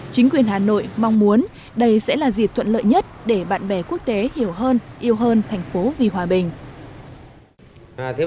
chính quyền hà nội mong muốn đây sẽ là dịp thuận lợi nhất để bạn bè quốc tế hiểu hơn yêu hơn thành phố vì hòa bình